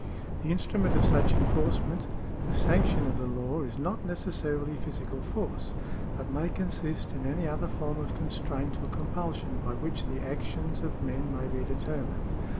The instrument of such enforcement — the sanction of the law — is not necessarily physical force, but may consist in any other form of constraint or compul sion by which the actions of men may be determined.